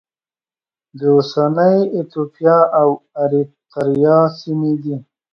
د اوسنۍ ایتوپیا او اریتریا سیمې دي.